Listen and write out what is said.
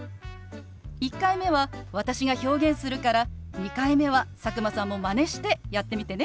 １回目は私が表現するから２回目は佐久間さんもマネしてやってみてね。